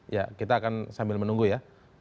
ya kita akan sambil menunggu ya